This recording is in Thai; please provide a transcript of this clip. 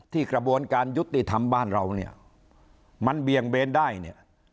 กระบวนการยุติธรรมบ้านเราเนี่ยมันเบี่ยงเบนได้เนี่ย